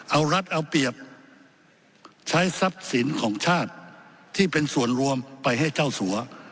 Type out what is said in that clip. เอารัฐเอาเปรียบใช้ทรัพย์สินของชาติที่เป็นส่วนรวมไปให้เจ้าสัว